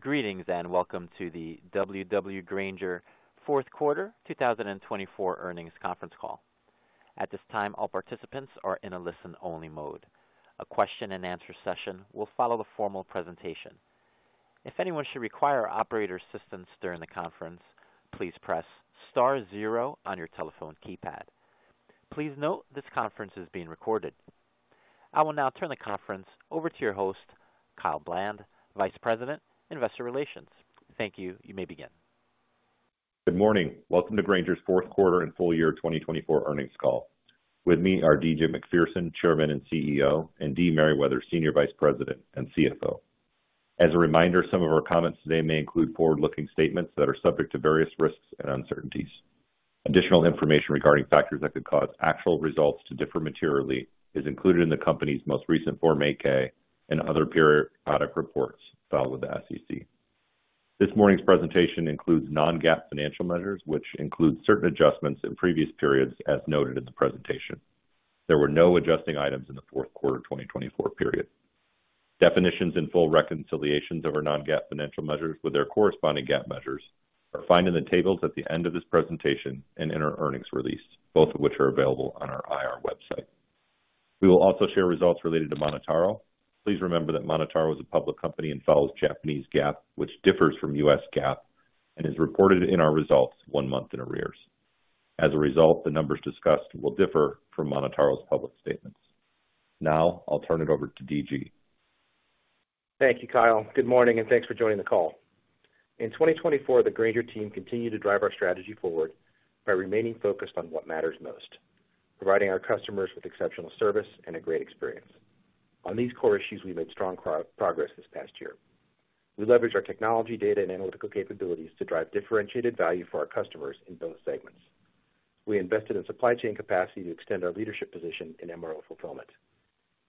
Greetings and welcome to the W.W. Grainger Fourth Quarter 2024 Earnings Conference Call. At this time, all participants are in a listen-only mode. A question-and-answer session will follow the formal presentation. If anyone should require operator assistance during the conference, please press star zero on your telephone keypad. Please note this conference is being recorded. I will now turn the conference over to your host, Kyle Bland, Vice President, Investor Relations. Thank you. You may begin. Good morning. Welcome to Grainger's Fourth Quarter and Full Year 2024 earnings call. With me are D.G. Macpherson, Chairman and CEO, and D. Merriwether, Senior Vice President and CFO. As a reminder, some of our comments today may include forward-looking statements that are subject to various risks and uncertainties. Additional information regarding factors that could cause actual results to differ materially is included in the company's most recent Form 8-K and other periodic reports filed with the SEC. This morning's presentation includes non-GAAP financial measures, which include certain adjustments in previous periods as noted in the presentation. There were no adjusting items in the fourth quarter 2024 period. Definitions and full reconciliations of our non-GAAP financial measures with their corresponding GAAP measures are found in the tables at the end of this presentation and in our earnings release, both of which are available on our IR website. We will also share results related to MonotaRO. Please remember that MonotaRO is a public company and follows Japanese GAAP, which differs from U.S. GAAP, and is reported in our results one month in arrears. As a result, the numbers discussed will differ from MonotaRO's public statements. Now, I'll turn it over to D.G. Thank you, Kyle. Good morning and thanks for joining the call. In 2024, the Grainger team continued to drive our strategy forward by remaining focused on what matters most: providing our customers with exceptional service and a great experience. On these core issues, we made strong progress this past year. We leveraged our technology, data, and analytical capabilities to drive differentiated value for our customers in both segments. We invested in supply chain capacity to extend our leadership position in MRO fulfillment,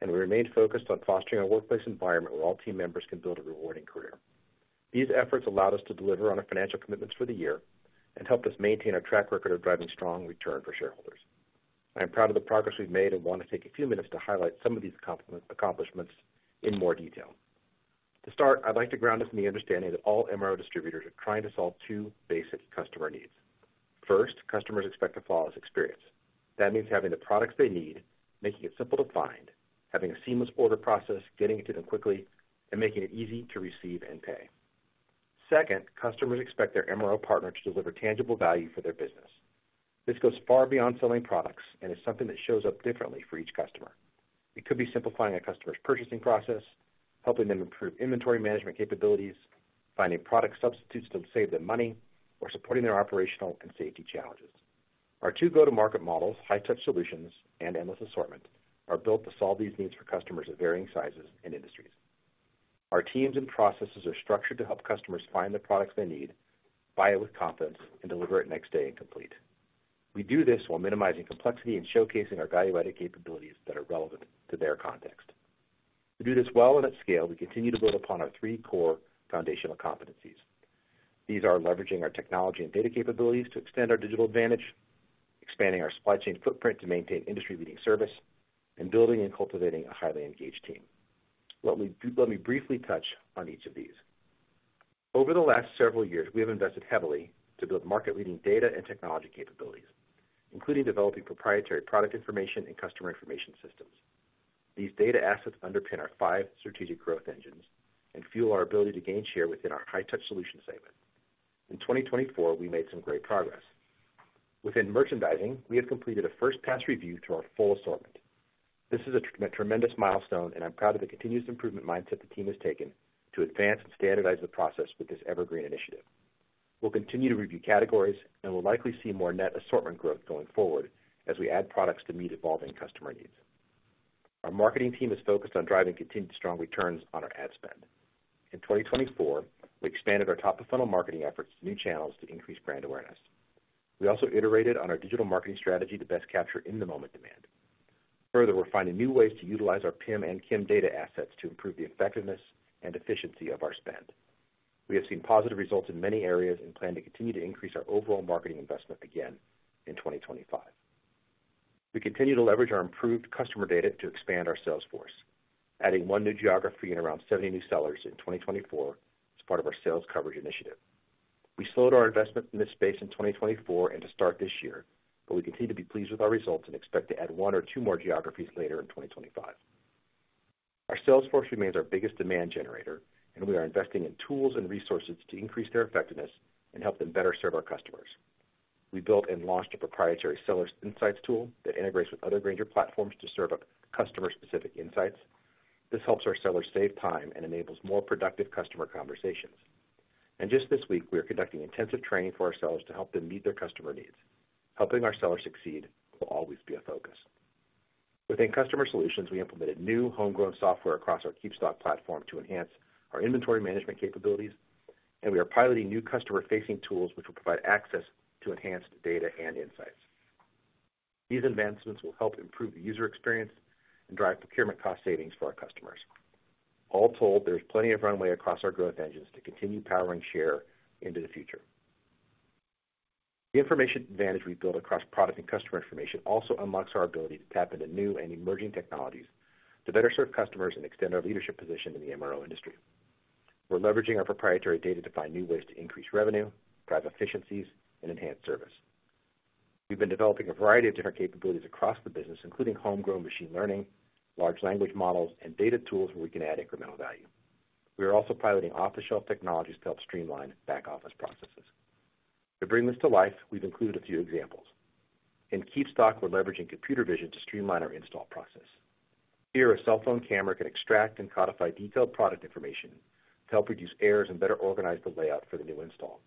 and we remained focused on fostering a workplace environment where all team members can build a rewarding career. These efforts allowed us to deliver on our financial commitments for the year and helped us maintain our track record of driving strong returns for shareholders. I am proud of the progress we've made and want to take a few minutes to highlight some of these accomplishments in more detail. To start, I'd like to ground us in the understanding that all MRO distributors are trying to solve two basic customer needs. First, customers expect a flawless experience. That means having the products they need, making it simple to find, having a seamless order process, getting it to them quickly, and making it easy to receive and pay. Second, customers expect their MRO partner to deliver tangible value for their business. This goes far beyond selling products and is something that shows up differently for each customer. It could be simplifying a customer's purchasing process, helping them improve inventory management capabilities, finding product substitutes to save them money, or supporting their operational and safety challenges. Our two go-to-market models, High-Touch Solutions and Endless Assortment, are built to solve these needs for customers of varying sizes and industries. Our teams and processes are structured to help customers find the products they need, buy it with confidence, and deliver it next day and complete. We do this while minimizing complexity and showcasing our value-added capabilities that are relevant to their context. To do this well and at scale, we continue to build upon our three core foundational competencies. These are leveraging our technology and data capabilities to extend our digital advantage, expanding our supply chain footprint to maintain industry-leading service, and building and cultivating a highly engaged team. Let me briefly touch on each of these. Over the last several years, we have invested heavily to build market-leading data and technology capabilities, including developing proprietary product information and customer information systems. These data assets underpin our five strategic growth engines and fuel our ability to gain share within our High-Touch Solutions segment. In 2024, we made some great progress. Within merchandising, we have completed a first-pass review through our full assortment. This is a tremendous milestone, and I'm proud of the continuous improvement mindset the team has taken to advance and standardize the process with this Evergreen initiative. We'll continue to review categories, and we'll likely see more net assortment growth going forward as we add products to meet evolving customer needs. Our marketing team is focused on driving continued strong returns on our ad spend. In 2024, we expanded our top-of-funnel marketing efforts to new channels to increase brand awareness. We also iterated on our digital marketing strategy to best capture in-the-moment demand. Further, we're finding new ways to utilize our PIM and KIM data assets to improve the effectiveness and efficiency of our spend. We have seen positive results in many areas and plan to continue to increase our overall marketing investment again in 2025. We continue to leverage our improved customer data to expand our sales force, adding one new geography and around 70 new sellers in 2024 as part of our sales coverage initiative. We slowed our investment in this space in 2024 and to start this year, but we continue to be pleased with our results and expect to add one or two more geographies later in 2025. Our sales force remains our biggest demand generator, and we are investing in tools and resources to increase their effectiveness and help them better serve our customers. We built and launched a proprietary Seller Insights tool that integrates with other Grainger platforms to serve customer-specific insights. This helps our sellers save time and enables more productive customer conversations. Just this week, we are conducting intensive training for our sellers to help them meet their customer needs. Helping our sellers succeed will always be a focus. Within Customer Solutions, we implemented new homegrown software across our KeepStock platform to enhance our inventory management capabilities, and we are piloting new customer-facing tools which will provide access to enhanced data and insights. These advancements will help improve the user experience and drive procurement cost savings for our customers. All told, there's plenty of runway across our growth engines to continue powering share into the future. The information advantage we build across product and customer information also unlocks our ability to tap into new and emerging technologies to better serve customers and extend our leadership position in the MRO industry. We're leveraging our proprietary data to find new ways to increase revenue, drive efficiencies, and enhance service. We've been developing a variety of different capabilities across the business, including homegrown machine learning, large language models, and data tools where we can add incremental value. We are also piloting off-the-shelf technologies to help streamline back-office processes. To bring this to life, we've included a few examples. In KeepStock, we're leveraging computer vision to streamline our install process. Here, a cell phone camera can extract and codify detailed product information to help reduce errors and better organize the layout for the new install.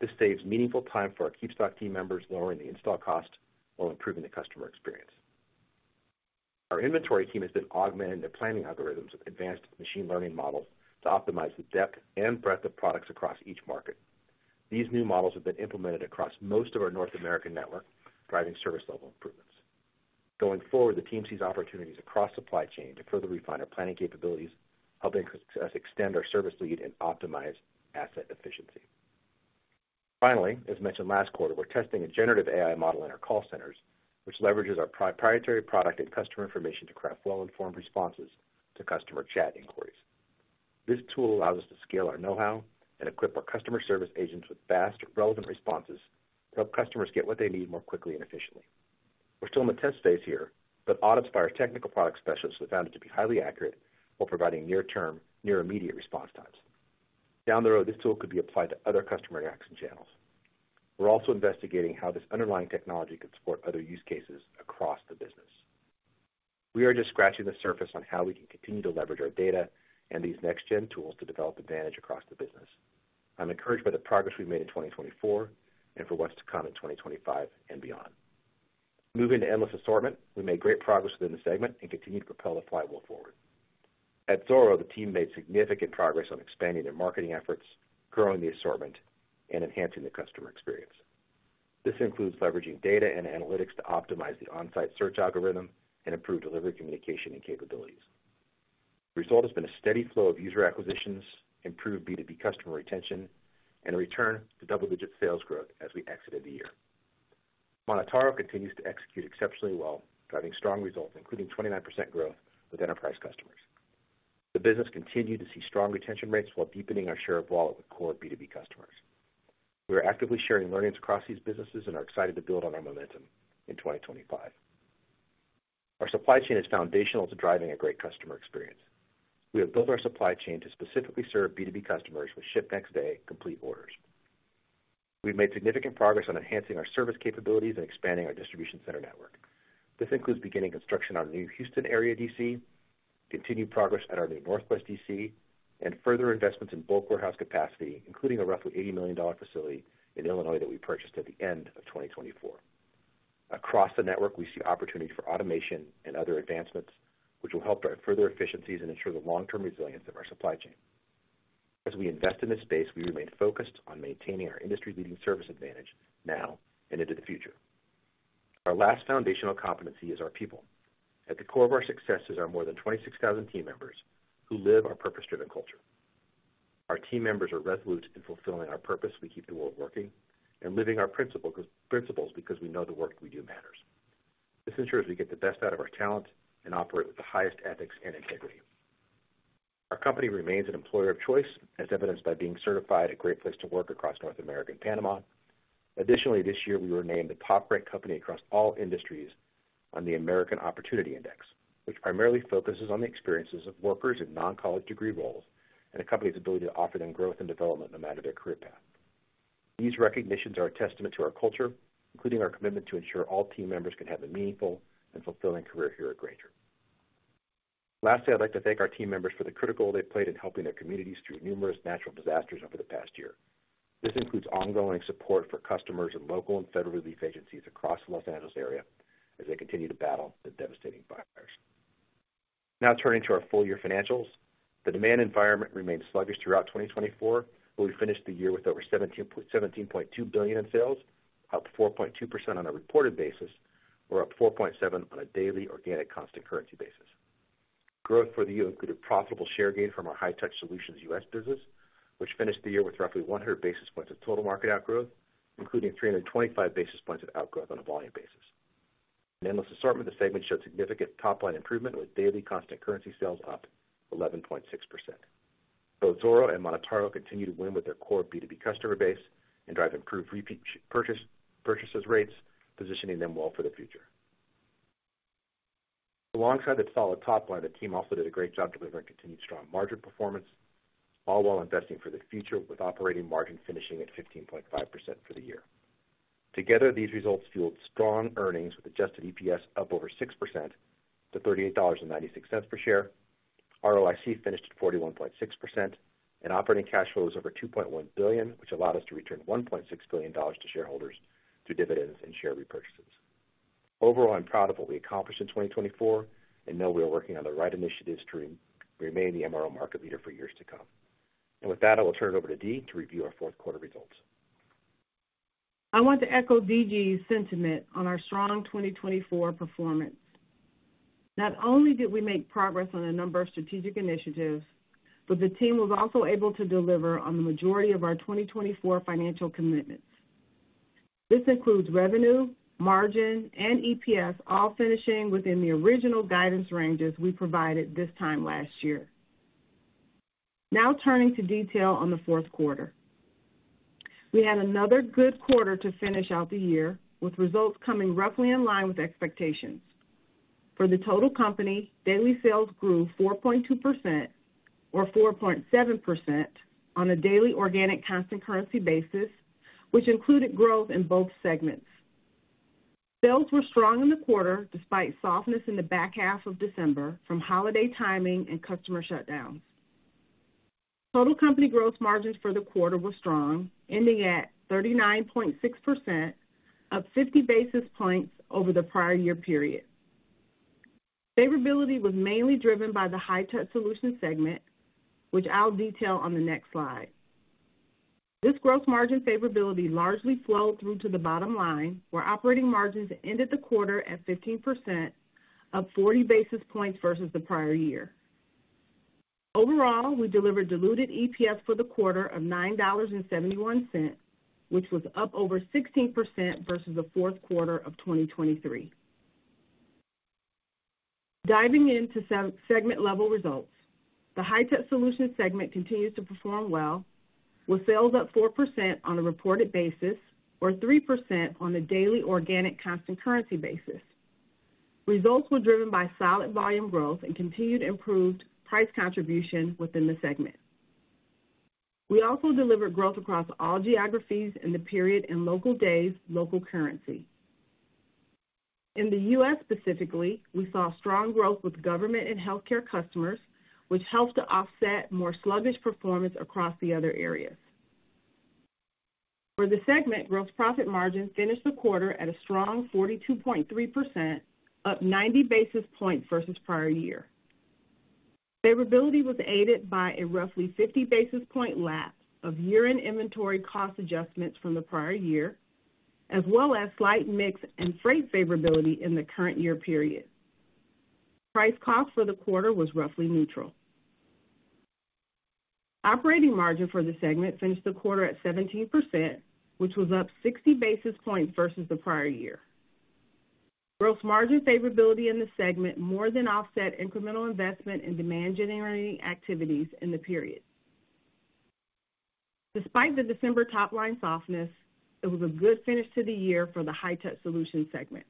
This saves meaningful time for our KeepStock team members, lowering the install cost while improving the customer experience. Our inventory team has been augmenting their planning algorithms with advanced machine learning models to optimize the depth and breadth of products across each market. These new models have been implemented across most of our North American network, driving service-level improvements. Going forward, the team sees opportunities across supply chain to further refine our planning capabilities, helping us extend our service lead and optimize asset efficiency. Finally, as mentioned last quarter, we're testing a generative AI model in our call centers, which leverages our proprietary product and customer information to craft well-informed responses to customer chat inquiries. This tool allows us to scale our know-how and equip our customer service agents with fast, relevant responses to help customers get what they need more quickly and efficiently. We're still in the test phase here, but audits by our technical product specialists have found it to be highly accurate while providing near-term, near-immediate response times. Down the road, this tool could be applied to other customer action channels. We're also investigating how this underlying technology could support other use cases across the business. We are just scratching the surface on how we can continue to leverage our data and these next-gen tools to develop advantage across the business. I'm encouraged by the progress we've made in 2024 and for what's to come in 2025 and beyond. Moving to Endless Assortment, we made great progress within the segment and continue to propel the flywheel forward. At Zoro, the team made significant progress on expanding their marketing efforts, growing the assortment, and enhancing the customer experience. This includes leveraging data and analytics to optimize the on-site search algorithm and improve delivery communication and capabilities. The result has been a steady flow of user acquisitions, improved B2B customer retention, and a return to double-digit sales growth as we exited the year. MonotaRO continues to execute exceptionally well, driving strong results, including 29% growth with enterprise customers. The business continued to see strong retention rates while deepening our share of wallet with core B2B customers. We are actively sharing learnings across these businesses and are excited to build on our momentum in 2025. Our supply chain is foundational to driving a great customer experience. We have built our supply chain to specifically serve B2B customers with ship-next-day, complete orders. We've made significant progress on enhancing our service capabilities and expanding our distribution center network. This includes beginning construction on a new Houston area DC, continued progress at our new Northwest DC, and further investments in bulk warehouse capacity, including a roughly $80 million facility in Illinois that we purchased at the end of 2024. Across the network, we see opportunities for automation and other advancements, which will help drive further efficiencies and ensure the long-term resilience of our supply chain. As we invest in this space, we remain focused on maintaining our industry-leading service advantage now and into the future. Our last foundational competency is our people. At the core of our success is our more than 26,000 team members who live our purpose-driven culture. Our team members are resolute in fulfilling our purpose: we keep the world working and living our principles because we know the work we do matters. This ensures we get the best out of our talent and operate with the highest ethics and integrity. Our company remains an employer of choice, as evidenced by being certified a Great Place to Work across North America and Panama. Additionally, this year, we were named the top-ranked company across all industries on the American Opportunity Index, which primarily focuses on the experiences of workers in non-college degree roles and the company's ability to offer them growth and development no matter their career path. These recognitions are a testament to our culture, including our commitment to ensure all team members can have a meaningful and fulfilling career here at Grainger. Lastly, I'd like to thank our team members for the critical role they've played in helping their communities through numerous natural disasters over the past year. This includes ongoing support for customers and local and federal relief agencies across the Los Angeles area as they continue to battle the devastating fires. Now turning to our full-year financials, the demand environment remained sluggish throughout 2024, but we finished the year with over $17.2 billion in sales, up 4.2% on a reported basis, or up 4.7% on a daily organic constant currency basis. Growth for the year included profitable share gain from our High-Touch Solutions U.S. business, which finished the year with roughly 100 basis points of total market outgrowth, including 325 basis points of outgrowth on a volume basis. In Endless Assortment, the segment showed significant top-line improvement with daily constant currency sales up 11.6%. Both Zoro and MonotaRO continue to win with their core B2B customer base and drive improved repeat purchases rates, positioning them well for the future. Alongside the solid top line, the team also did a great job delivering continued strong margin performance, all while investing for the future with operating margin finishing at 15.5% for the year. Together, these results fueled strong earnings with adjusted EPS of over 6% to $38.96 per share. ROIC finished at 41.6%, and operating cash flow was over $2.1 billion, which allowed us to return $1.6 billion to shareholders through dividends and share repurchases. Overall, I'm proud of what we accomplished in 2024 and know we are working on the right initiatives to remain the MRO market leader for years to come. With that, I will turn it over to D. to review our fourth quarter results. I want to echo D.G.'s sentiment on our strong 2024 performance. Not only did we make progress on a number of strategic initiatives, but the team was also able to deliver on the majority of our 2024 financial commitments. This includes revenue, margin, and EPS, all finishing within the original guidance ranges we provided this time last year. Now turning to detail on the fourth quarter, we had another good quarter to finish out the year with results coming roughly in line with expectations. For the total company, daily sales grew 4.2%, or 4.7%, on a daily organic constant currency basis, which included growth in both segments. Sales were strong in the quarter despite softness in the back half of December from holiday timing and customer shutdowns. Total company gross margins for the quarter were strong, ending at 39.6%, up 50 basis points over the prior year period. Favorability was mainly driven by the High-Touch Solutions segment, which I'll detail on the next slide. This gross margin favorability largely flowed through to the bottom line, where operating margins ended the quarter at 15%, up 40 basis points versus the prior year. Overall, we delivered diluted EPS for the quarter of $9.71, which was up over 16% versus the fourth quarter of 2023. Diving into segment-level results, the High-Touch Solutions segment continues to perform well, with sales up 4% on a reported basis, or 3% on a daily organic constant currency basis. Results were driven by solid volume growth and continued improved price contribution within the segment. We also delivered growth across all geographies in the period in local days, local currency. In the U.S. specifically, we saw strong growth with government and healthcare customers, which helped to offset more sluggish performance across the other areas. For the segment, gross profit margin finished the quarter at a strong 42.3%, up 90 basis points versus prior year. Favorability was aided by a roughly 50 basis point lapse of year-end inventory cost adjustments from the prior year, as well as slight mix and freight favorability in the current year period. Price cost for the quarter was roughly neutral. Operating margin for the segment finished the quarter at 17%, which was up 60 basis points versus the prior year. Gross margin favorability in the segment more than offset incremental investment in demand-generating activities in the period. Despite the December top-line softness, it was a good finish to the year for the High-Touch Solutions segment.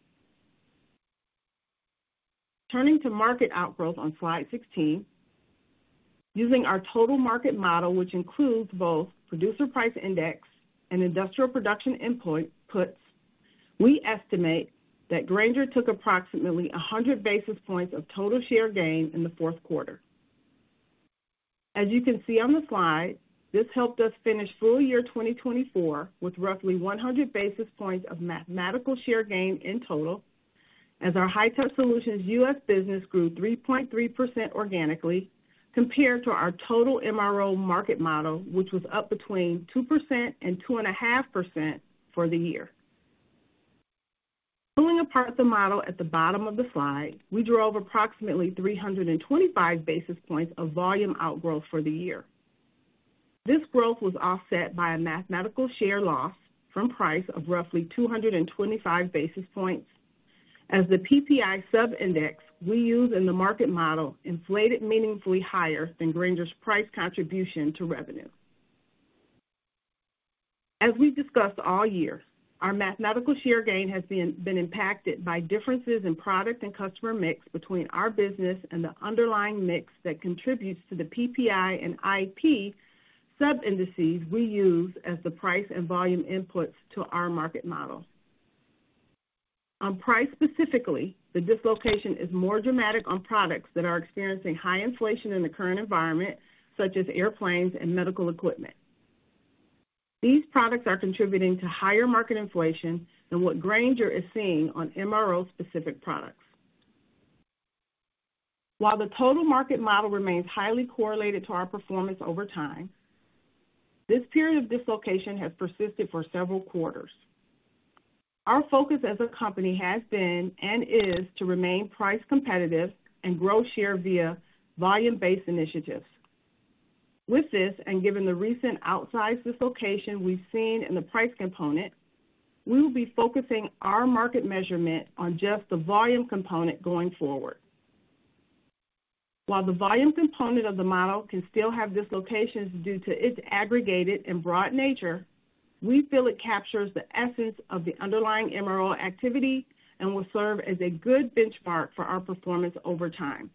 Turning to market outgrowth on slide 16, using our total market model, which includes both producer price index and industrial production inputs, we estimate that Grainger took approximately 100 basis points of total share gain in the fourth quarter. As you can see on the slide, this helped us finish full year 2024 with roughly 100 basis points of mathematical share gain in total, as our High-Touch Solutions U.S. business grew 3.3% organically compared to our total MRO market model, which was up between 2% and 2.5% for the year. Pulling apart the model at the bottom of the slide, we drove approximately 325 basis points of volume outgrowth for the year. This growth was offset by a mathematical share loss from price of roughly 225 basis points, as the PPI sub-index we use in the market model inflated meaningfully higher than Grainger's price contribution to revenue. As we've discussed all year, our mathematical share gain has been impacted by differences in product and customer mix between our business and the underlying mix that contributes to the PPI and IP sub-indices we use as the price and volume inputs to our market model. On price specifically, the dislocation is more dramatic on products that are experiencing high inflation in the current environment, such as airplanes and medical equipment. These products are contributing to higher market inflation than what Grainger is seeing on MRO-specific products. While the total market model remains highly correlated to our performance over time, this period of dislocation has persisted for several quarters. Our focus as a company has been and is to remain price competitive and grow share via volume-based initiatives. With this, and given the recent outsized dislocation we've seen in the price component, we will be focusing our market measurement on just the volume component going forward. While the volume component of the model can still have dislocations due to its aggregated and broad nature, we feel it captures the essence of the underlying MRO activity and will serve as a good benchmark for our performance over time.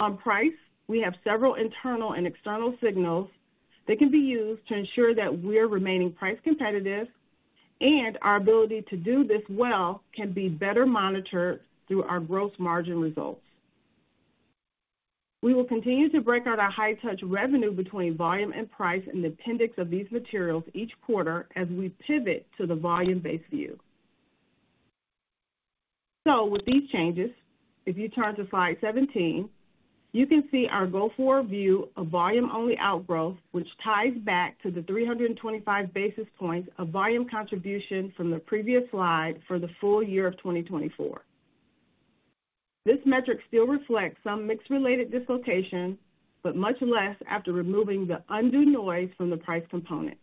On price, we have several internal and external signals that can be used to ensure that we're remaining price competitive, and our ability to do this well can be better monitored through our gross margin results. We will continue to break out our High-Touch revenue between volume and price in the appendix of these materials each quarter as we pivot to the volume-based view. With these changes, if you turn to slide 17, you can see our go-forward view of volume-only outgrowth, which ties back to the 325 basis points of volume contribution from the previous slide for the full year of 2024. This metric still reflects some mix-related dislocation, but much less after removing the undue noise from the price component.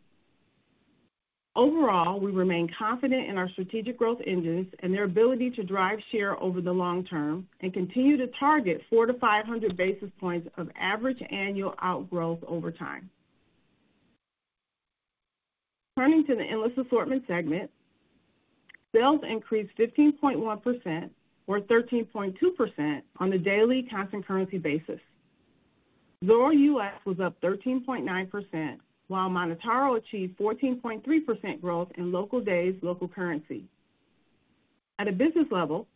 Overall, we remain confident in our strategic growth engines and their ability to drive share over the long term and continue to target 400-500 basis points of average annual outgrowth over time. Turning to the Endless Assortment segment, sales increased 15.1%, or 13.2%, on a daily constant currency basis. Zoro U.S. was up 13.9%, while MonotaRO achieved 14.3% growth in local days, local currency. At a business level,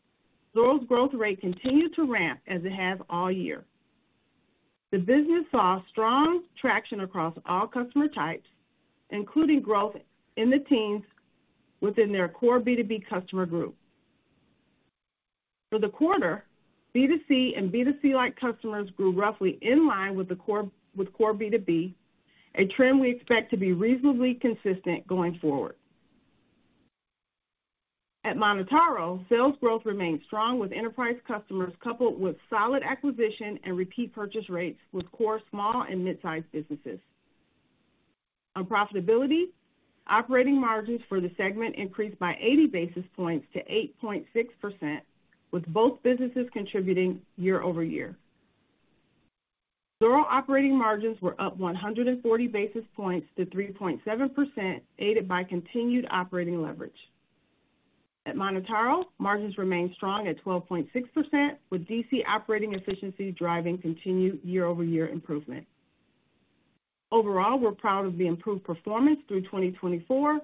Zoro's growth rate continued to ramp as it has all year. The business saw strong traction across all customer types, including growth in the teams within their core B2B customer group. For the quarter, B2C and B2C-like customers grew roughly in line with core B2B, a trend we expect to be reasonably consistent going forward. At MonotaRO, sales growth remained strong with enterprise customers coupled with solid acquisition and repeat purchase rates with core small and mid-sized businesses. On profitability, operating margins for the segment increased by 80 basis points to 8.6%, with both businesses contributing year-over-year. Zoro operating margins were up 140 basis points to 3.7%, aided by continued operating leverage. At MonotaRO, margins remained strong at 12.6%, with DC operating efficiency driving continued year-over-year improvement. Overall, we're proud of the improved performance through 2024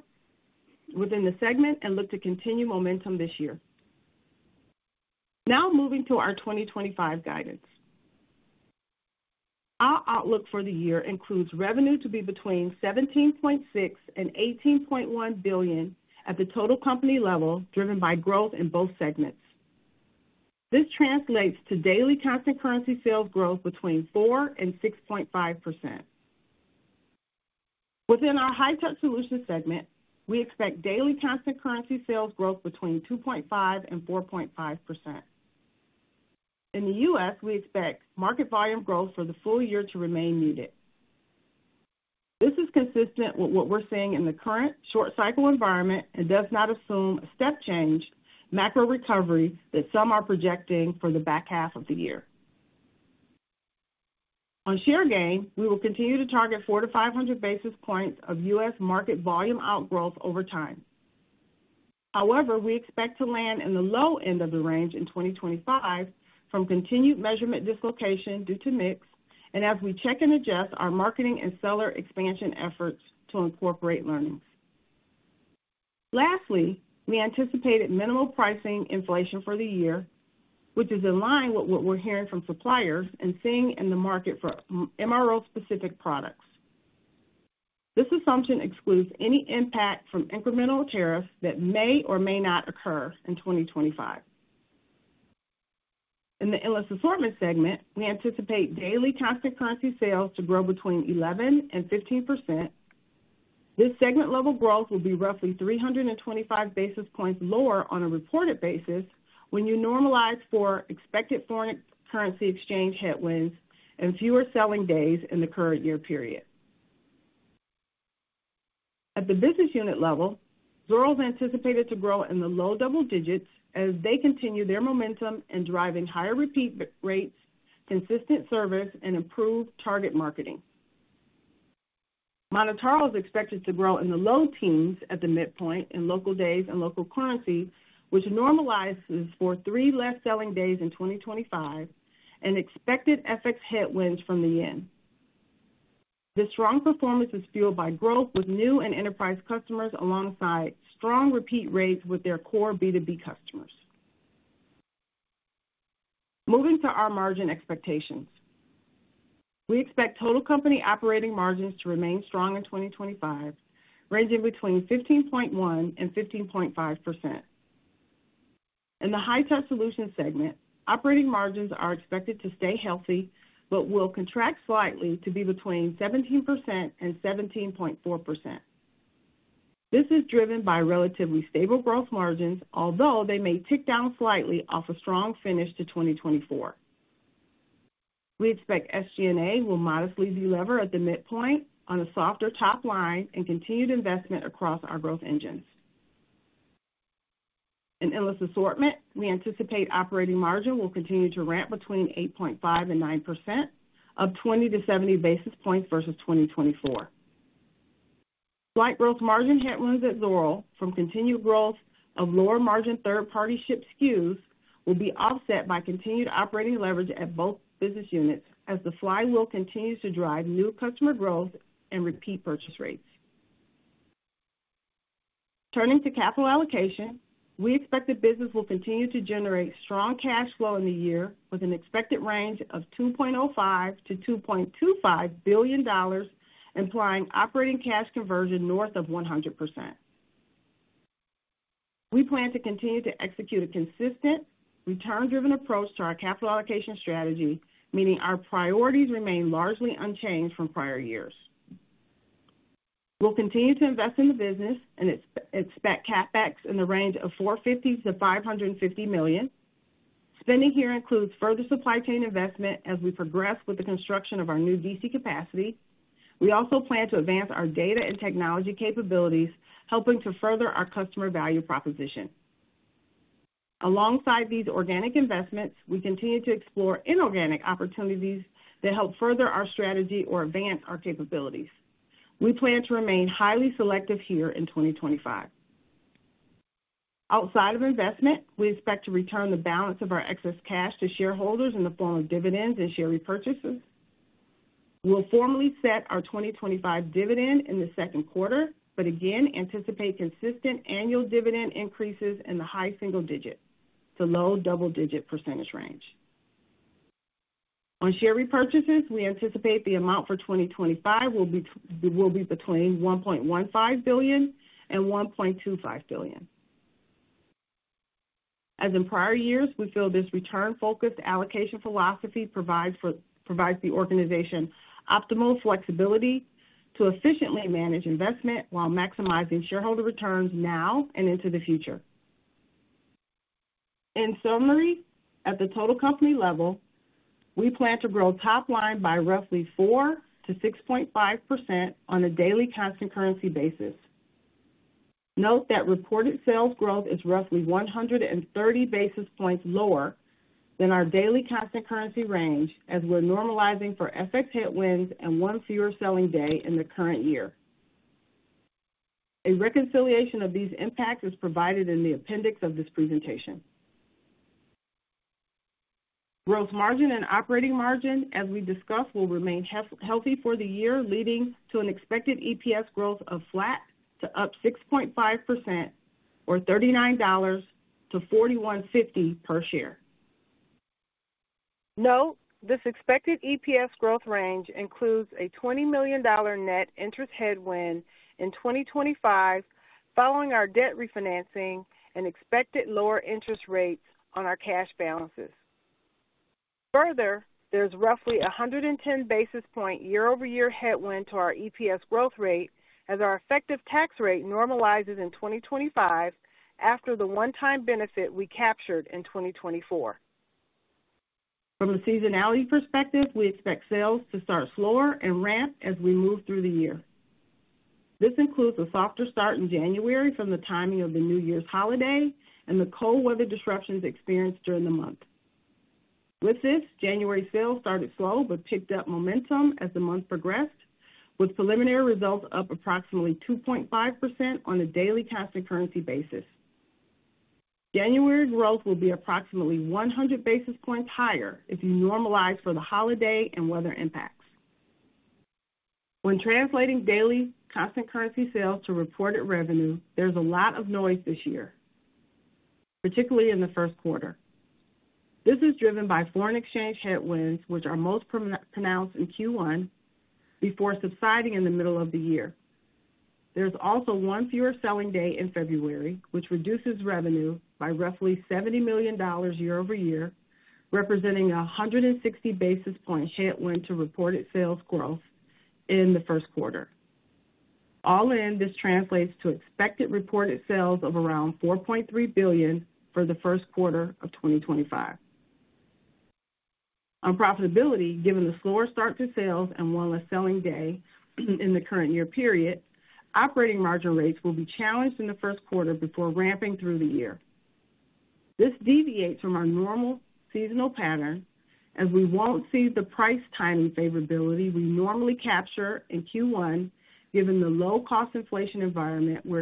within the segment and look to continue momentum this year. Now moving to our 2025 guidance. Our outlook for the year includes revenue to be between $17.6 billion-$18.1 billion at the total company level, driven by growth in both segments. This translates to daily constant currency sales growth between 4% and 6.5%. Within our High-Touch Solutions segment, we expect daily constant currency sales growth between 2.5% and 4.5%. In the U.S., we expect market volume growth for the full year to remain muted. This is consistent with what we're seeing in the current short-cycle environment and does not assume a step-change macro recovery that some are projecting for the back half of the year. On share gain, we will continue to target 400 to 500 basis points of U.S. market volume outgrowth over time. However, we expect to land in the low end of the range in 2025 from continued measurement dislocation due to mix, and as we check and adjust our marketing and seller expansion efforts to incorporate learnings. Lastly, we anticipated minimal pricing inflation for the year, which is in line with what we're hearing from suppliers and seeing in the market for MRO-specific products. This assumption excludes any impact from incremental tariffs that may or may not occur in 2025. In the Endless Assortment segment, we anticipate daily constant currency sales to grow between 11% and 15%. This segment-level growth will be roughly 325 basis points lower on a reported basis when you normalize for expected foreign currency exchange headwinds and fewer selling days in the current year period. At the business unit level, Zoro is anticipated to grow in the low double digits as they continue their momentum in driving higher repeat rates, consistent service, and improved target marketing. MonotaRO is expected to grow in the low teens at the midpoint in local days and local currency, which normalizes for three less selling days in 2025 and expected FX headwinds from the end. This strong performance is fueled by growth with new and enterprise customers alongside strong repeat rates with their core B2B customers. Moving to our margin expectations, we expect total company operating margins to remain strong in 2025, ranging between 15.1% and 15.5%. In the High-Touch Solutions segment, operating margins are expected to stay healthy but will contract slightly to be between 17% and 17.4%. This is driven by relatively stable growth margins, although they may tick down slightly off a strong finish to 2024. We expect SG&A will modestly deliver at the midpoint on a softer top line and continued investment across our growth engines. In Endless Assortment, we anticipate operating margin will continue to ramp between 8.5% and 9%, up 20-70 basis points versus 2024. Slight growth margin headwinds at Zoro from continued growth of lower margin third-party ship SKUs will be offset by continued operating leverage at both business units as the flywheel continues to drive new customer growth and repeat purchase rates. Turning to capital allocation, we expect the business will continue to generate strong cash flow in the year with an expected range of $2.05-$2.25 billion, implying operating cash conversion north of 100%. We plan to continue to execute a consistent, return-driven approach to our capital allocation strategy, meaning our priorities remain largely unchanged from prior years. We'll continue to invest in the business and expect CapEx in the range of $450 million-$550 million. Spending here includes further supply chain investment as we progress with the construction of our new DC capacity. We also plan to advance our data and technology capabilities, helping to further our customer value proposition. Alongside these organic investments, we continue to explore inorganic opportunities that help further our strategy or advance our capabilities. We plan to remain highly selective here in 2025. Outside of investment, we expect to return the balance of our excess cash to shareholders in the form of dividends and share repurchases. We'll formally set our 2025 dividend in the second quarter, but again anticipate consistent annual dividend increases in the high single-digit to low double-digit percentage range. On share repurchases, we anticipate the amount for 2025 will be between $1.15 billion and $1.25 billion. As in prior years, we feel this return-focused allocation philosophy provides the organization optimal flexibility to efficiently manage investment while maximizing shareholder returns now and into the future. In summary, at the total company level, we plan to grow top line by roughly 4%-6.5% on a daily constant currency basis. Note that reported sales growth is roughly 130 basis points lower than our daily constant currency range as we're normalizing for FX headwinds and one fewer selling day in the current year. A reconciliation of these impacts is provided in the appendix of this presentation. Growth margin and operating margin, as we discussed, will remain healthy for the year, leading to an expected EPS growth of flat to +6.5%, or $39.00-$41.50 per share. Note this expected EPS growth range includes a $20 million net interest headwind in 2025 following our debt refinancing and expected lower interest rates on our cash balances. Further, there's roughly a 110 basis points year-over-year headwind to our EPS growth rate as our effective tax rate normalizes in 2025 after the one-time benefit we captured in 2024. From a seasonality perspective, we expect sales to start slower and ramp as we move through the year. This includes a softer start in January from the timing of the New Year's holiday and the cold weather disruptions experienced during the month. With this, January sales started slow but picked up momentum as the month progressed, with preliminary results up approximately 2.5% on a daily constant currency basis. January growth will be approximately 100 basis points higher if you normalize for the holiday and weather impacts. When translating daily constant currency sales to reported revenue, there's a lot of noise this year, particularly in the first quarter. This is driven by foreign exchange headwinds, which are most pronounced in Q1 before subsiding in the middle of the year. There's also one fewer selling day in February, which reduces revenue by roughly $70 million year-over-year, representing a 160 basis points headwind to reported sales growth in the first quarter. All in, this translates to expected reported sales of around $4.3 billion for the first quarter of 2025. On profitability, given the slower start to sales and one less selling day in the current year period, operating margin rates will be challenged in the first quarter before ramping through the year. This deviates from our normal seasonal pattern as we won't see the price timing favorability we normally capture in Q1, given the low-cost inflation environment we're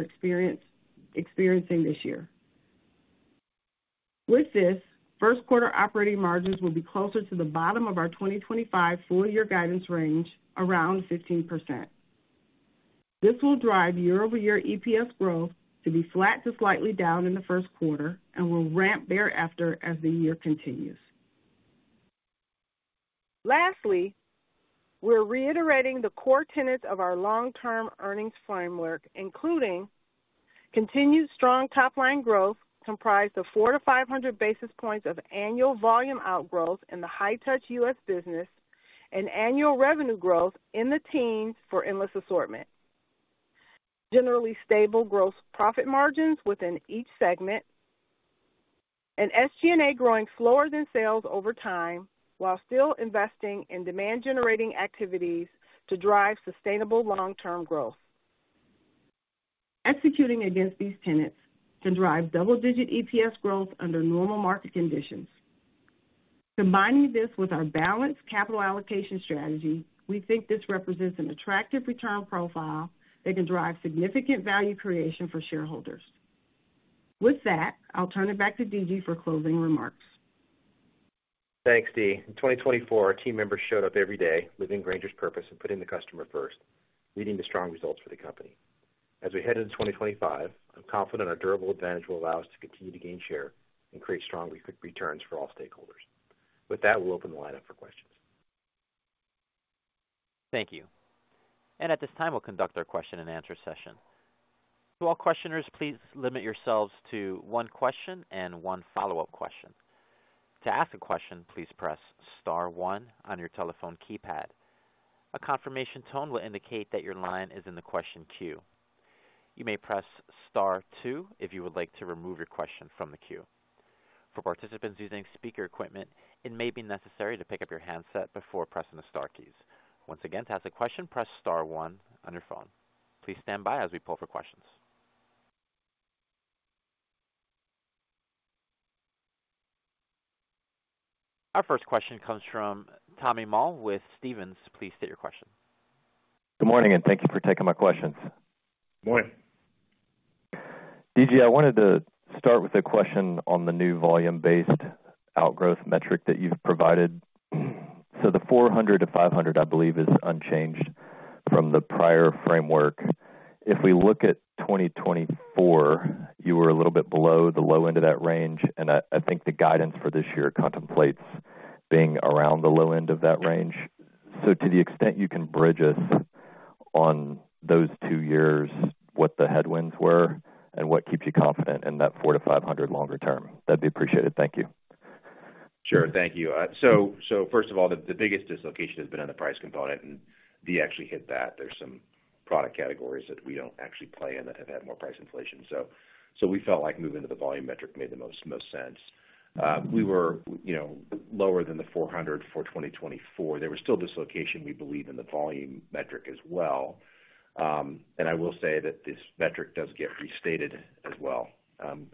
experiencing this year. With this, first-quarter operating margins will be closer to the bottom of our 2025 full-year guidance range, around 15%. This will drive year-over-year EPS growth to be flat to slightly down in the first quarter and will ramp thereafter as the year continues. Lastly, we're reiterating the core tenets of our long-term earnings framework, including continued strong top-line growth comprised of 400 to 500 basis points of annual volume outgrowth in the High-Touch U.S. business and annual revenue growth in the teens for Endless Assortment. Generally stable gross profit margins within each segment and SG&A growing slower than sales over time while still investing in demand-generating activities to drive sustainable long-term growth. Executing against these tenets can drive double-digit EPS growth under normal market conditions. Combining this with our balanced capital allocation strategy, we think this represents an attractive return profile that can drive significant value creation for shareholders. With that, I'll turn it back to D.G. for closing remarks. Thanks, D. In 2024, our team members showed up every day living Grainger's purpose and putting the customer first, leading to strong results for the company. As we head into 2025, I'm confident our durable advantage will allow us to continue to gain share and create strong returns for all stakeholders. With that, we'll open the line up for questions. Thank you. At this time, we'll conduct our question-and-answer session. To all questioners, please limit yourselves to one question and one follow-up question. To ask a question, please press Star 1 on your telephone keypad. A confirmation tone will indicate that your line is in the question queue. You may press Star 2 if you would like to remove your question from the queue. For participants using speaker equipment, it may be necessary to pick up your handset before pressing the Star keys. Once again, to ask a question, press Star 1 on your phone. Please stand by as we poll for questions. Our first question comes from Tommy Moll with Stephens. Please state your question. Good morning, and thank you for taking my questions. Good morning. D.G., I wanted to start with a question on the new volume-based outgrowth metric that you've provided. So the $400-$500, I believe, is unchanged from the prior framework. If we look at 2024, you were a little bit below the low end of that range, and I think the guidance for this year contemplates being around the low end of that range. So to the extent you can bridge us on those two years, what the headwinds were and what keeps you confident in that $400-$500 longer term, that'd be appreciated. Thank you. Sure. Thank you. So first of all, the biggest dislocation has been on the price component, and D. actually hit that. There's some product categories that we don't actually play in that have had more price inflation. So we felt like moving to the volume metric made the most sense. We were lower than the $400 for 2024. There was still dislocation, we believe, in the volume metric as well. And I will say that this metric does get restated as well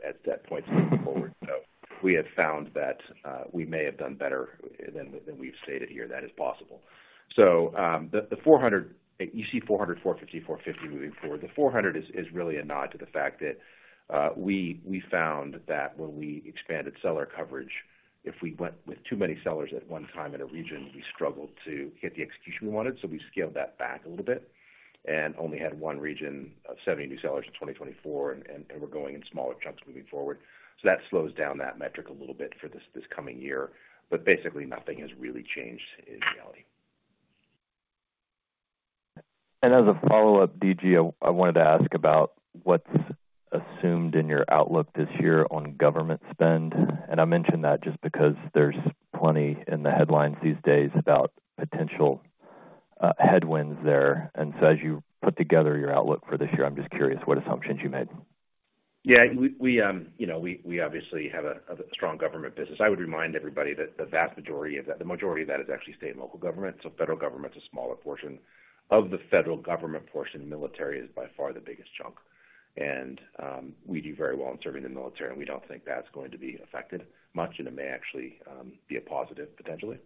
at that point moving forward. So we have found that we may have done better than we've stated here. That is possible. So the $400, you see $400, $450, $450 moving forward. The $400 is really a nod to the fact that we found that when we expanded seller coverage, if we went with too many sellers at one time in a region, we struggled to hit the execution we wanted. So we scaled that back a little bit and only had one region of 70 new sellers in 2024, and we're going in smaller chunks moving forward. So that slows down that metric a little bit for this coming year. But basically, nothing has really changed in reality. As a follow-up, D.G., I wanted to ask about what's assumed in your outlook this year on government spend. And I mentioned that just because there's plenty in the headlines these days about potential headwinds there. And so as you put together your outlook for this year, I'm just curious what assumptions you made? Yeah. We obviously have a strong government business. I would remind everybody that the vast majority of that, the majority of that is actually state and local government. So federal government's a smaller portion. Of the federal government portion, military is by far the biggest chunk. And we do very well in serving the military, and we don't think that's going to be affected much, and it may actually be a positive potentially.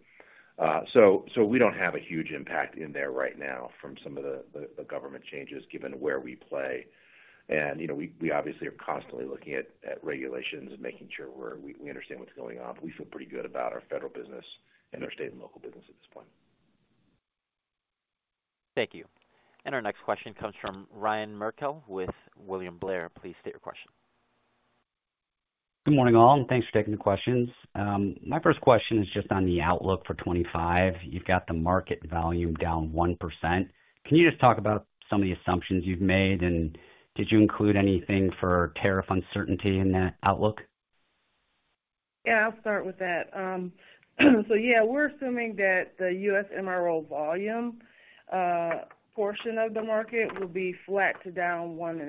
So we don't have a huge impact in there right now from some of the government changes given where we play. We obviously are constantly looking at regulations and making sure we understand what's going on, but we feel pretty good about our federal business and our state and local business at this point. Thank you. Our next question comes from Ryan Merkel with William Blair. Please state your question. Good morning, all, and thanks for taking the questions. My first question is just on the outlook for 2025. You've got the market volume down 1%. Can you just talk about some of the assumptions you've made, and did you include anything for tariff uncertainty in that outlook? Yeah, I'll start with that. So yeah, we're assuming that the U.S. MRO volume portion of the market will be flat to down 1.5%.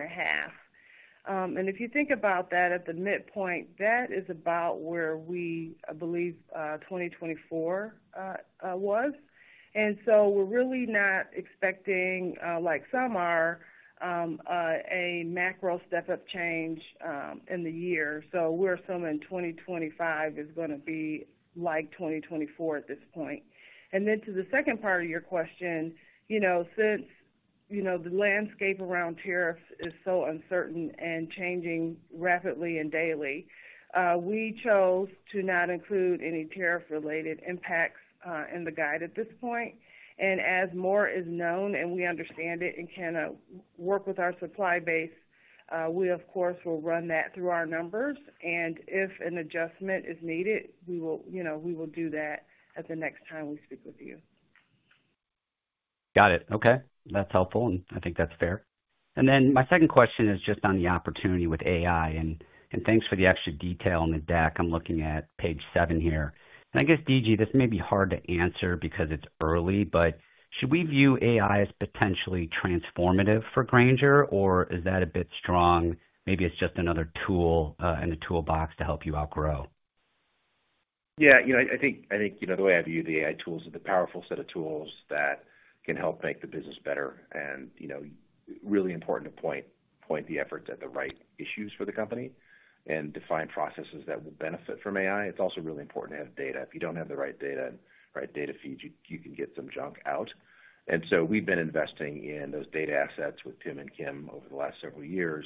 And if you think about that at the midpoint, that is about where we, I believe, 2024 was. And so we're really not expecting, like some are, a macro step-up change in the year. So we're assuming 2025 is going to be like 2024 at this point. And then to the second part of your question, since the landscape around tariffs is so uncertain and changing rapidly and daily, we chose to not include any tariff-related impacts in the guide at this point. And as more is known, and we understand it and can work with our supply base, we, of course, will run that through our numbers. And if an adjustment is needed, we will do that at the next time we speak with you. Got it. Okay. That's helpful, and I think that's fair. And then my second question is just on the opportunity with AI. And thanks for the extra detail on the deck. I'm looking at page seven here. And I guess, D.G., this may be hard to answer because it's early, but should we view AI as potentially transformative for Grainger, or is that a bit strong? Maybe it's just another tool in the toolbox to help you outgrow? Yeah. I think the way I view the AI tools is the powerful set of tools that can help make the business better. And really important to point the efforts at the right issues for the company and define processes that will benefit from AI. It's also really important to have data. If you don't have the right data and right data feeds, you can get some junk out. And so we've been investing in those data assets with PIM and KIM over the last several years.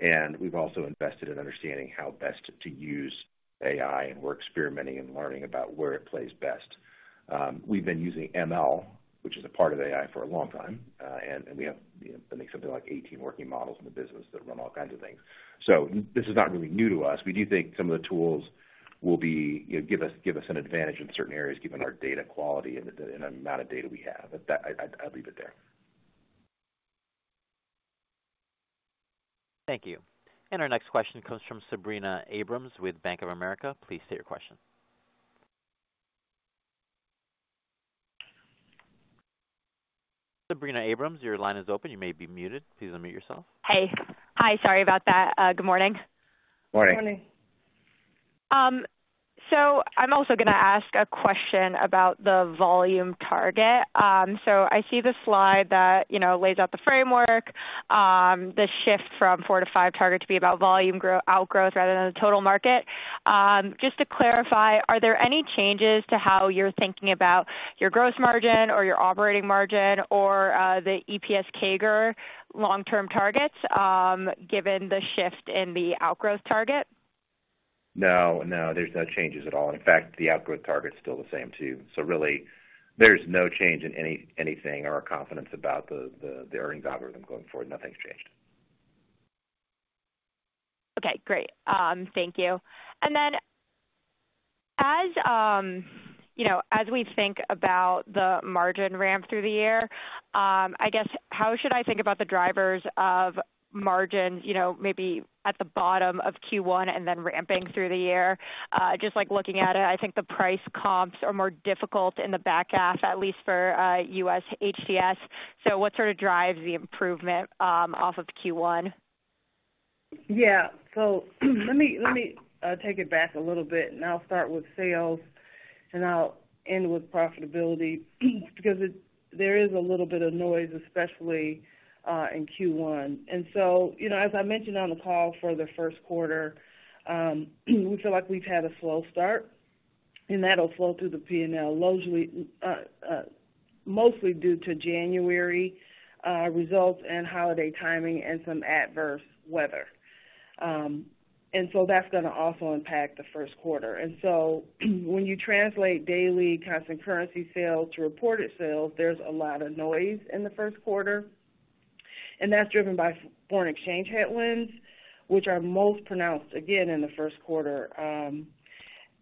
And we've also invested in understanding how best to use AI, and we're experimenting and learning about where it plays best. We've been using ML, which is a part of AI for a long time, and we have something like 18 working models in the business that run all kinds of things. So this is not really new to us. We do think some of the tools will give us an advantage in certain areas, given our data quality and the amount of data we have. I'll leave it there. Thank you. And our next question comes from Sabrina Abrams with Bank of America. Please state your question. Sabrina Abrams, your line is open. You may be muted. Please unmute yourself. Hey. Hi. Sorry about that. Good morning. Morning. Morning. So I'm also going to ask a question about the volume target. So I see the slide that lays out the framework, the shift from four to five target to be about volume outgrowth rather than the total market. Just to clarify, are there any changes to how you're thinking about your gross margin or your operating margin or the EPS CAGR long-term targets given the shift in the outgrowth target? No, no. There's no changes at all. In fact, the outgrowth target's still the same too. So really, there's no change in anything or our confidence about the earnings algorithm going forward. Nothing's changed. Okay. Great. Thank you. And then as we think about the margin ramp through the year, I guess, how should I think about the drivers of margin maybe at the bottom of Q1 and then ramping through the year? Just looking at it, I think the price comps are more difficult in the back half, at least for U.S. HCS. So what sort of drives the improvement off of Q1? Yeah. So let me take it back a little bit, and I'll start with sales, and I'll end with profitability because there is a little bit of noise, especially in Q1. And so as I mentioned on the call for the first quarter, we feel like we've had a slow start, and that'll flow through the P&L, mostly due to January results and holiday timing and some adverse weather. And so that's going to also impact the first quarter. And so when you translate daily constant currency sales to reported sales, there's a lot of noise in the first quarter. And that's driven by foreign exchange headwinds, which are most pronounced, again, in the first quarter.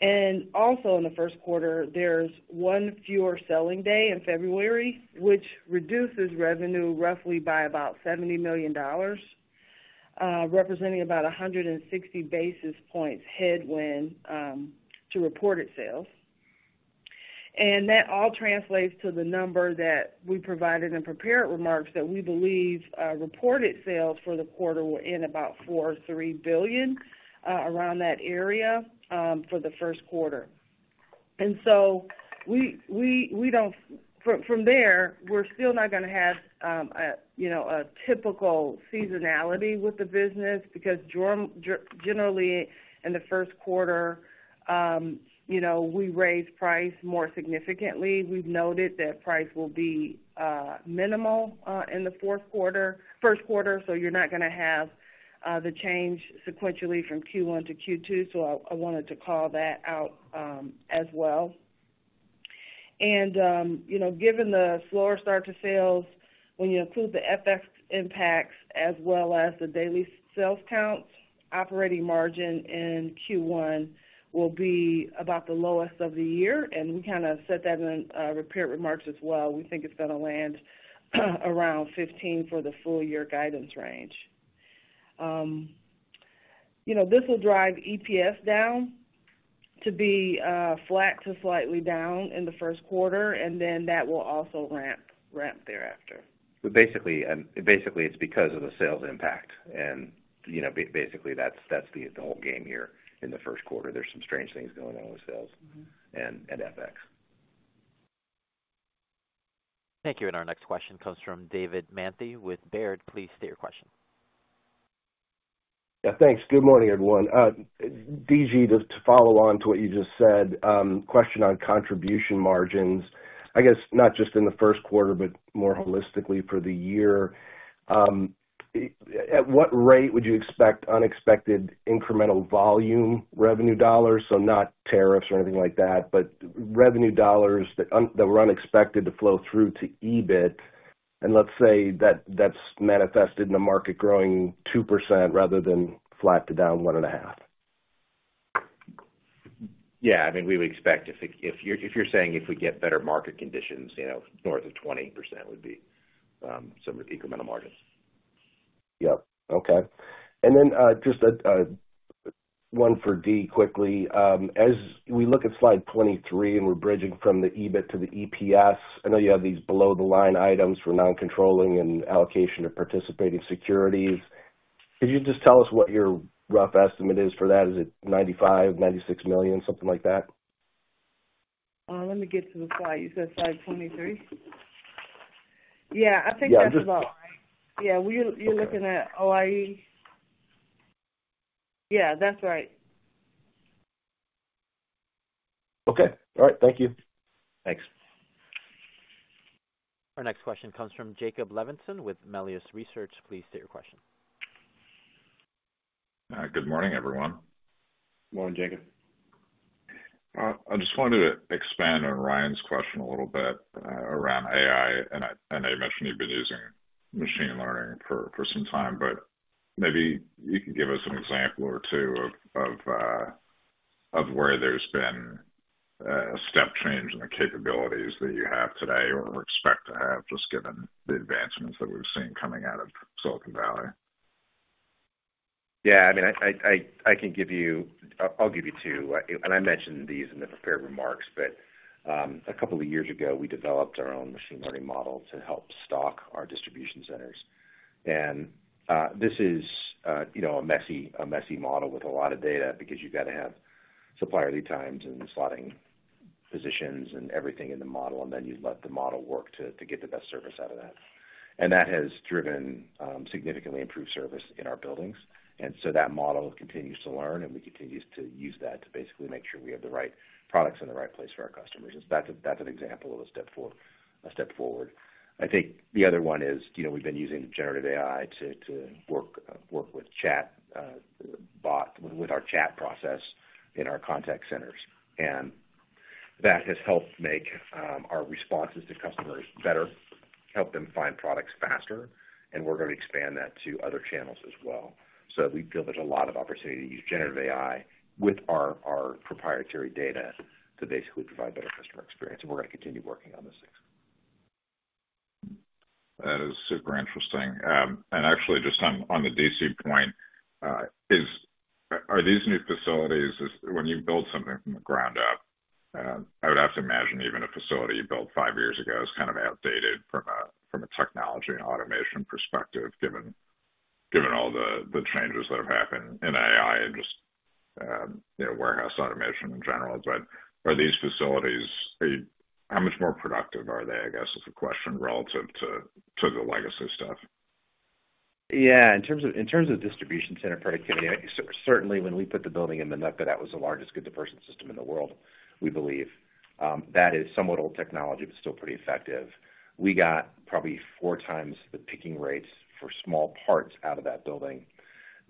And also in the first quarter, there's one fewer selling day in February, which reduces revenue roughly by about $70 million, representing about 160 basis points headwind to reported sales. And that all translates to the number that we provided in the prepared remarks that we believe reported sales for the quarter were in about $43 billion, around that area for the first quarter. And so from there, we're still not going to have a typical seasonality with the business because generally in the first quarter, we raise price more significantly. We've noted that price will be minimal in the first quarter. So you're not going to have the change sequentially from Q1 to Q2. So I wanted to call that out as well. And given the slower start to sales, when you include the FX impacts as well as the daily sales counts, operating margin in Q1 will be about the lowest of the year. And we kind of set that in the prepared remarks as well. We think it's going to land around 15 for the full year guidance range. This will drive EPS down to be flat to slightly down in the first quarter, and then that will also ramp thereafter. But basically, it's because of the sales impact. And basically, that's the whole game here in the first quarter. There's some strange things going on with sales and FX. Thank you. And our next question comes from David Manthey with Baird. Please state your question. Yeah. Thanks. Good morning, everyone. D.G., to follow on to what you just said, question on contribution margins, I guess not just in the first quarter, but more holistically for the year. At what rate would you expect unexpected incremental volume revenue dollars? So not tariffs or anything like that, but revenue dollars that were unexpected to flow through to EBIT. And let's say that that's manifested in a market growing 2% rather than flat to down one and a half. Yeah. I mean, we would expect if you're saying if we get better market conditions, north of 20% would be some incremental margins. Yep. Okay. And then just one for D. quickly. As we look at slide 23 and we're bridging from the EBIT to the EPS, I know you have these below-the-line items for non-controlling and allocation of participating securities. Could you just tell us what your rough estimate is for that? Is it $95 million, $96 million, something like that? Let me get to the slide. You said slide 23? Yeah. I think that's about right. Yeah. You're looking at OIE? Yeah. That's right. Okay. All right. Thank you. Thanks. Our next question comes from Jacob Levinson with Melius Research. Please state your question. Good morning, everyone. Morning, Jacob. I just wanted to expand on Ryan's question a little bit around AI, and I mentioned you've been using machine learning for some time, but maybe you can give us an example or two of where there's been a step change in the capabilities that you have today or expect to have just given the advancements that we've seen coming out of Silicon Valley. Yeah. I mean, I'll give you two, and I mentioned these in the prepared remarks, but a couple of years ago, we developed our own machine learning model to help stock our distribution centers, and this is a messy model with a lot of data because you've got to have supplier lead times and slotting positions and everything in the model, and then you let the model work to get the best service out of that. And that has driven significantly improved service in our buildings. And so that model continues to learn, and we continue to use that to basically make sure we have the right products in the right place for our customers. And that's an example of a step forward. I think the other one is we've been using Generative AI to work with chat, with our chat process in our contact centers. And that has helped make our responses to customers better, help them find products faster, and we're going to expand that to other channels as well. So we feel there's a lot of opportunity to use Generative AI with our proprietary data to basically provide better customer experience. And we're going to continue working on this thing. That is super interesting. Actually, just on the DC point, are these new facilities, when you build something from the ground up, I would have to imagine even a facility you built five years ago is kind of outdated from a technology and automation perspective, given all the changes that have happened in AI and just warehouse automation in general. But are these facilities, how much more productive are they, I guess, is the question relative to the legacy stuff? Yeah. In terms of distribution center productivity, certainly when we put the building in, that was the largest goods-to-person system in the world, we believe. That is somewhat old technology, but still pretty effective. We got probably four times the picking rates for small parts out of that building.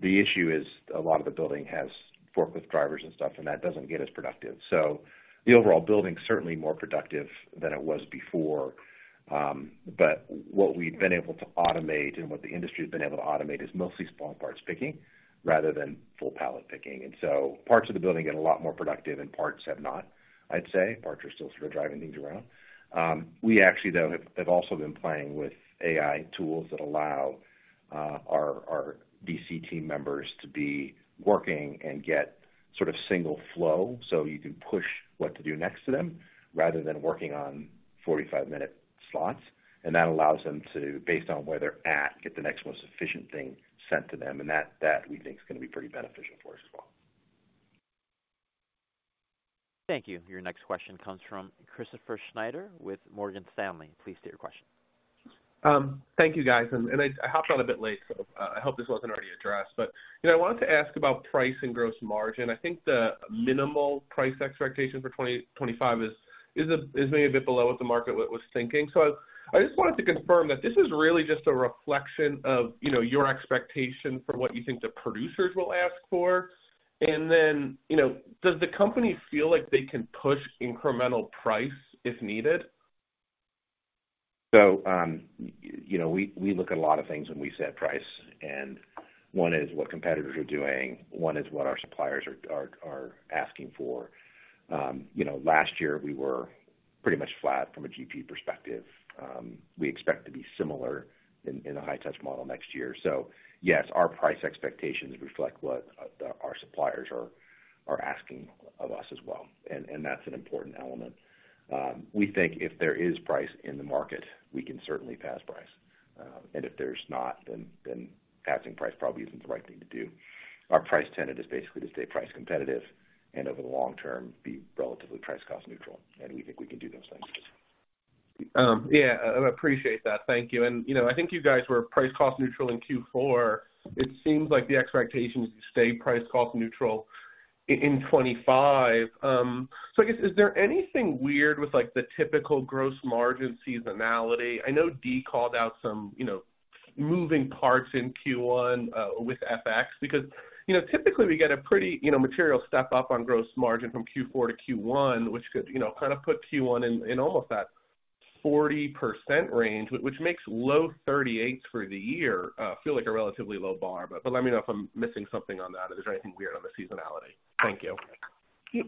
The issue is a lot of the building has forklift drivers and stuff, and that doesn't get as productive. So the overall building is certainly more productive than it was before. But what we've been able to automate and what the industry has been able to automate is mostly small parts picking rather than full pallet picking. And so parts of the building get a lot more productive, and parts have not, I'd say. Parts are still sort of driving things around. We actually, though, have also been playing with AI tools that allow our DC team members to be working and get sort of single flow. So you can push what to do next to them rather than working on 45-minute slots. And that allows them to, based on where they're at, get the next most efficient thing sent to them. And that, we think, is going to be pretty beneficial for us as well. Thank you. Your next question comes from Christopher Snyder with Morgan Stanley. Please state your question. Thank you, guys. I hopped on a bit late, so I hope this wasn't already addressed. I wanted to ask about price and gross margin. I think the minimal price expectation for 2025 is maybe a bit below what the market was thinking. I just wanted to confirm that this is really just a reflection of your expectation for what you think the producers will ask for. Does the company feel like they can push incremental price if needed? We look at a lot of things when we set price. One is what competitors are doing. One is what our suppliers are asking for. Last year, we were pretty much flat from a GP perspective. We expect to be similar in the high-touch model next year. So yes, our price expectations reflect what our suppliers are asking of us as well. And that's an important element. We think if there is price in the market, we can certainly pass price. And if there's not, then passing price probably isn't the right thing to do. Our price tenet is basically to stay price competitive and over the long term be relatively price cost neutral. And we think we can do those things. Yeah. I appreciate that. Thank you. And I think you guys were price cost neutral in fourth quarter. It seems like the expectation is to stay price cost neutral in 2025. So I guess, is there anything weird with the typical gross margin seasonality? I know D. called out some moving parts in Q1 with FX because typically we get a pretty material step up on gross margin from Q4 to Q1, which could kind of put Q1 in almost that 40% range, which makes low 38s for the year feel like a relatively low bar. But let me know if I'm missing something on that or there's anything weird on the seasonality. Thank you.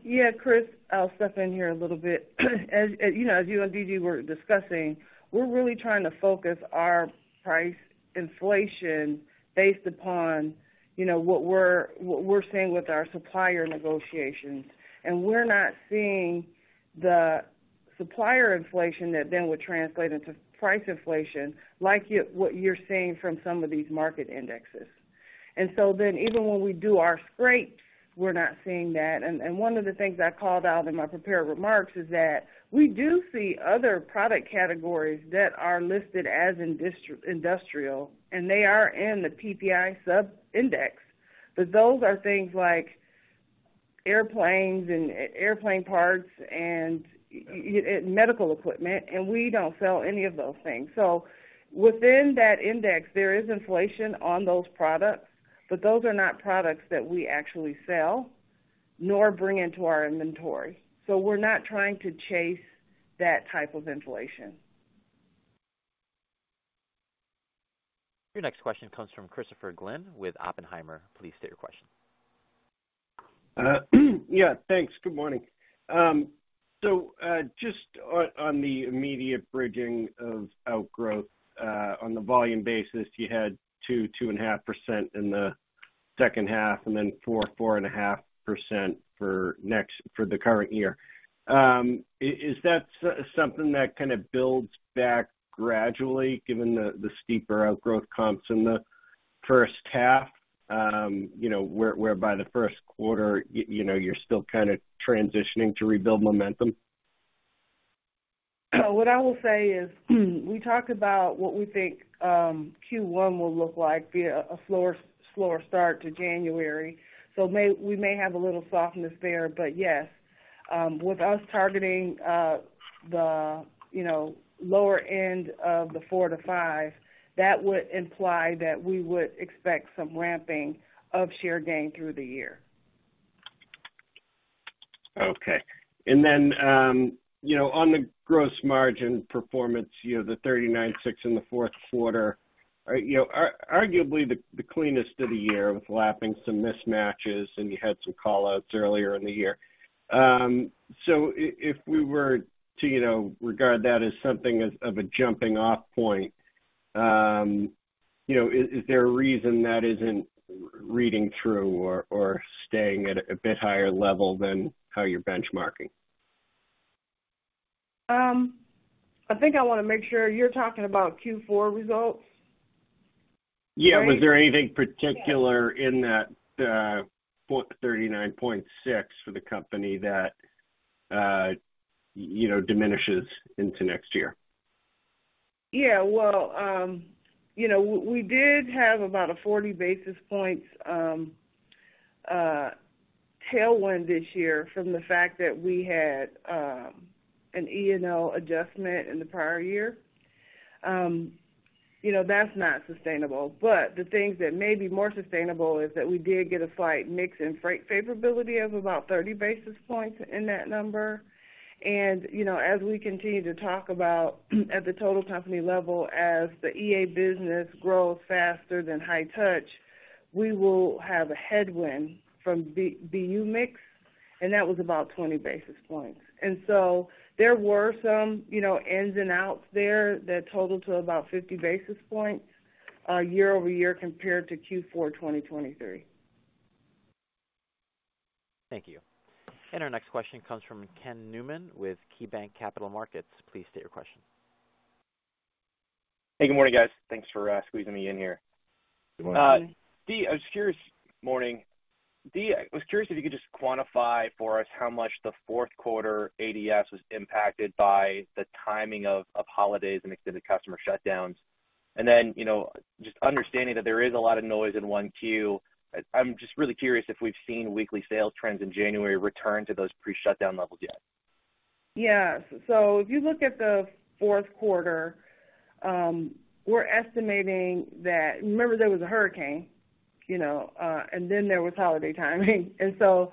Yeah. Chris, I'll step in here a little bit. As you and D.G. were discussing, we're really trying to focus our price inflation based upon what we're seeing with our supplier negotiations. And we're not seeing the supplier inflation that then would translate into price inflation like what you're seeing from some of these market indexes. And so then even when we do our scrapes, we're not seeing that. One of the things I called out in my prepared remarks is that we do see other product categories that are listed as industrial, and they are in the PPI sub-index. But those are things like airplanes and airplane parts and medical equipment. And we don't sell any of those things. So within that index, there is inflation on those products, but those are not products that we actually sell nor bring into our inventory. So we're not trying to chase that type of inflation. Your next question comes from Christopher Glynn with Oppenheimer. Please state your question. Yeah. Thanks. Good morning. So just on the immediate bridging of outgrowth on the volume basis, you had 2-2.5% in the second half and then 4-4.5% for the current year. Is that something that kind of builds back gradually given the steeper outgrowth comps in the first half, whereby the first quarter you're still kind of transitioning to rebuild momentum? What I will say is we talked about what we think Q1 will look like, be a slower start to January. So we may have a little softness there. But yes, with us targeting the lower end of the 4 to 5, that would imply that we would expect some ramping of share gain through the year. Okay. And then on the gross margin performance, the 39.6 in the fourth quarter, arguably the cleanest of the year with lapping some mismatches, and you had some callouts earlier in the year. So if we were to regard that as something of a jumping-off point, is there a reason that isn't reading through or staying at a bit higher level than how you're benchmarking? I think I want to make sure you're talking about fourth quarter results? Yeah. Was there anything particular in that 39.6% for the company that diminishes into next year? Yeah. Well, we did have about a 40 basis points tailwind this year from the fact that we had an E&O adjustment in the prior year. That's not sustainable. But the things that may be more sustainable is that we did get a slight mix and freight favorability of about 30 basis points in that number. As we continue to talk about at the total company level, as the EA business grows faster than high touch, we will have a headwind from BU mix, and that was about 20 basis points. So there were some ins and outs there that totaled to about 50 basis points year over year compared to fourth quarter 2023. Thank you. Our next question comes from Ken Newman with KeyBanc Capital Markets. Please state your question. Hey. Good morning, guys. Thanks for squeezing me in here. Good morning, guys. D., I was curious. Morning. D., I was curious if you could just quantify for us how much the fourth quarter ADS was impacted by the timing of holidays and extended customer shutdowns. And then just understanding that there is a lot of noise in 1Q, I'm just really curious if we've seen weekly sales trends in January return to those pre-shutdown levels yet. Yeah. So if you look at the fourth quarter, we're estimating that. Remember there was a hurricane, and then there was holiday timing. And so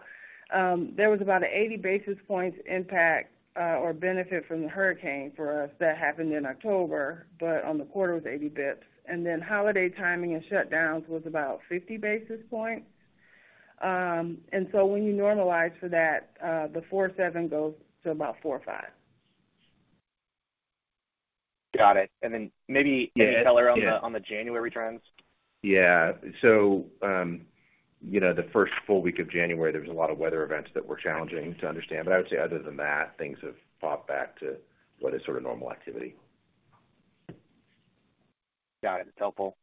there was about an 80 basis points impact or benefit from the hurricane for us that happened in October, but on the quarter was 80 basis points. And then holiday timing and shutdowns was about 50 basis points. And so when you normalize for that, the 4.7 goes to about 4.5. Got it. And then maybe can you talk about the January trends? Yeah. So the first full week of January, there was a lot of weather events that were challenging to understand. But I would say other than that, things have popped back to what is sort of normal activity. Got it. That's helpful.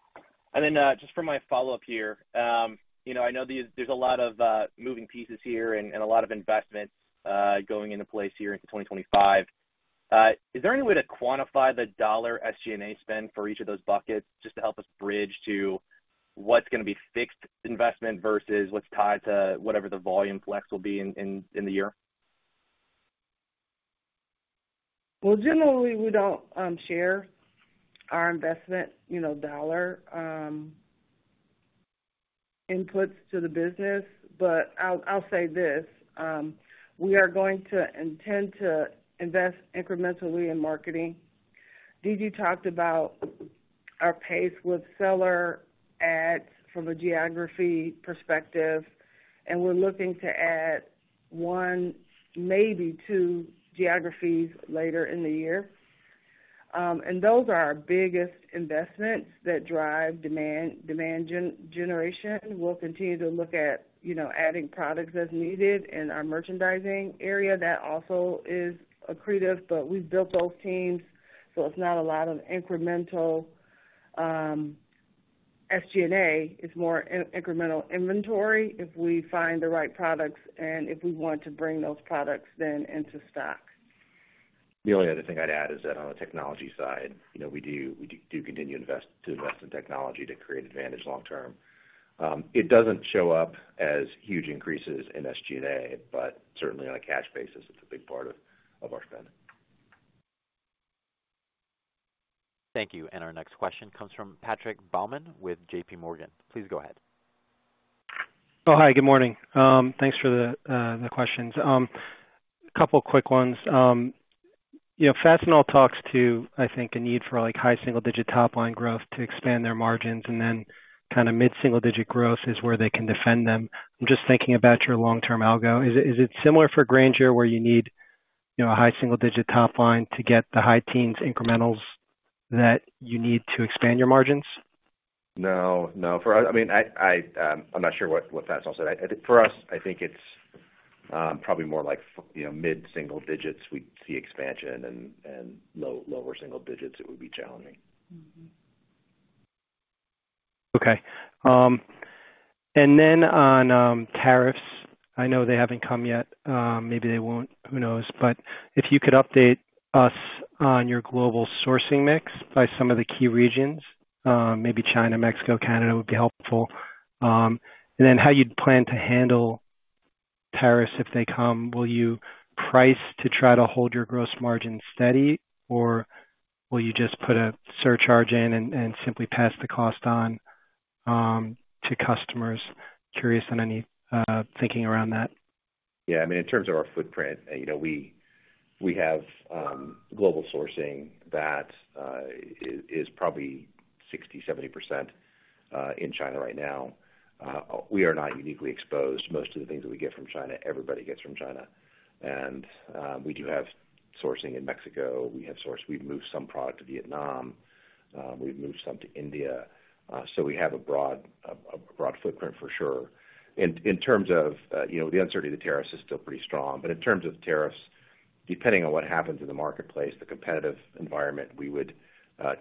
And then just for my follow-up here, I know there's a lot of moving pieces here and a lot of investments going into place here into 2025. Is there any way to quantify the dollar SG&A spend for each of those buckets just to help us bridge to what's going to be fixed investment versus what's tied to whatever the volume flex will be in the year? Well, generally, we don't share our investment dollar inputs to the business. But I'll say this. We are going to intend to invest incrementally in marketing. D.G. talked about our pace with seller ads from a geography perspective, and we're looking to add one, maybe two geographies later in the year. And those are our biggest investments that drive demand generation. We'll continue to look at adding products as needed in our merchandising area that also is accretive. But we've built those teams, so it's not a lot of incremental SG&A. It's more incremental inventory if we find the right products and if we want to bring those products then into stock. The only other thing I'd add is that on the technology side, we do continue to invest in technology to create advantage long term. It doesn't show up as huge increases in SG&A, but certainly on a cash basis, it's a big part of our spend. Thank you. And our next question comes from Patrick Baumann with J.P. Morgan. Please go ahead. Oh, hi. Good morning. Thanks for the questions. A couple of quick ones. Fastenal talks to, I think, a need for high single-digit top-line growth to expand their margins, and then kind of mid-single-digit growth is where they can defend them. I'm just thinking about your long-term algo. Is it similar for Grainger where you need a high single-digit top line to get the high teens incrementals that you need to expand your margins? No. No. I mean, I'm not sure what Fastenal said. For us, I think it's probably more like mid-single digits. We'd see expansion, and lower single digits, it would be challenging. Okay. And then on tariffs, I know they haven't come yet. Maybe they won't. Who knows? But if you could update us on your global sourcing mix by some of the key regions, maybe China, Mexico, Canada would be helpful. And then how you'd plan to handle tariffs if they come. Will you price to try to hold your gross margin steady, or will you just put a surcharge in and simply pass the cost on to customers? Curious on any thinking around that. Yeah. I mean, in terms of our footprint, we have global sourcing that is probably 60%-70% in China right now. We are not uniquely exposed. Most of the things that we get from China, everybody gets from China. And we do have sourcing in Mexico. We've moved some product to Vietnam. We've moved some to India. So we have a broad footprint for sure. In terms of the uncertainty, the tariffs are still pretty strong. But in terms of tariffs, depending on what happens in the marketplace, the competitive environment, we would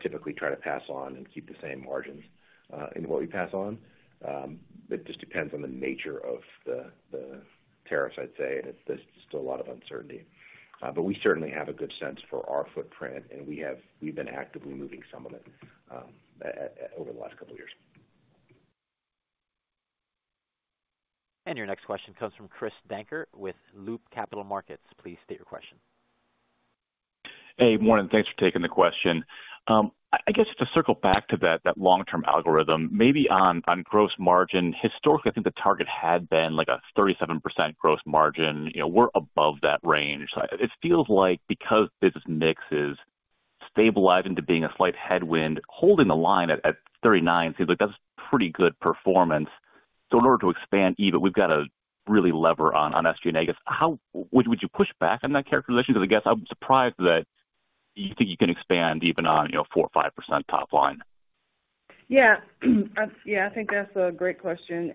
typically try to pass on and keep the same margins in what we pass on. It just depends on the nature of the tariffs, I'd say. And there's still a lot of uncertainty. But we certainly have a good sense for our footprint, and we've been actively moving some of it over the last couple of years. And your next question comes from Chris Dankert with Loop Capital Markets. Please state your question. Hey. Morning. Thanks for taking the question. I guess to circle back to that long-term algorithm, maybe on gross margin, historically, I think the target had been like a 37% gross margin. We're above that range. So it feels like because business mix is stabilizing to being a slight headwind, holding the line at 39% seems like that's pretty good performance. So in order to expand, even we've got to really lever on SG&A. I guess, would you push back on that characterization? Because I guess I'm surprised that you think you can expand even on 4 or 5% top line. Yeah. Yeah. I think that's a great question.